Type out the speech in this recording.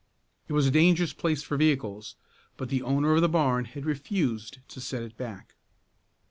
It was a dangerous place for vehicles, but the owner of the barn had refused to set it back.